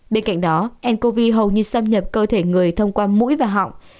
bên cạnh đó ncov hầu như xâm nhập cơ thể người thông qua mũi và họng